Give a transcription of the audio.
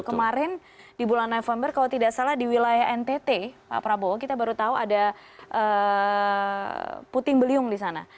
kemarin di bulan november kalau tidak salah di wilayah ntt pak prabowo kita baru tahu ada puting beliung di sana